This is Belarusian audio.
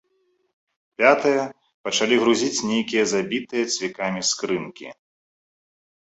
Пятыя пачалі грузіць нейкія забітыя цвікамі скрынкі.